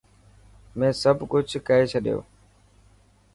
مين سب سچ ڪئي ڇڏيو.